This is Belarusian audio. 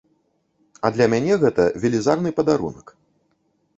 А для мяне гэта велізарны падарунак.